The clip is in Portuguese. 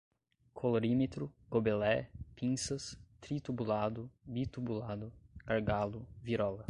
colorímetro, gobelé, pinças, tritubulado, bitubulado, gargalo, virola